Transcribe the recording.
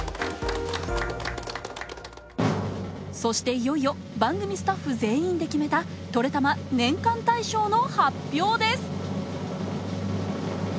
そして、いよいよ番組スタッフ全員で決めた「トレたま年間大賞」の発表です。